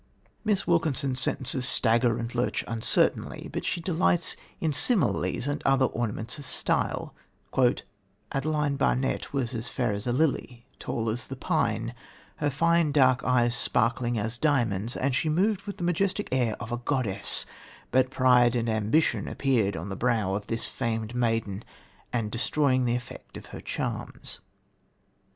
Miss Wilkinson's sentences stagger and lurch uncertainly, but she delights in similes and other ornaments of style: "Adeline Barnett was fair as a lily, tall as the pine, her fine dark eyes sparkling as diamonds, and she moved with the majestic air of a goddess, but pride and ambition appeared on the brow of this famed maiden, and destroying the effect of her charms."